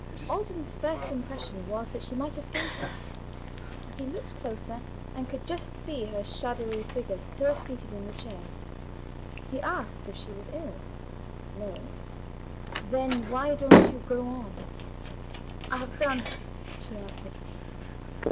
Alban's first impression was that she might have fainted. He looked closer, and could just see her shadowy figure still seated in the chair. He asked if she was ill. No. "Then why don't you go on?" "I have done," she answered.